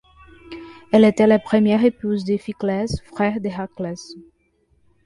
Elle était la première épouse d'Iphiclès, frère d'Héraclès.